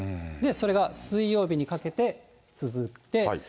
それが水曜日にかけて続いて。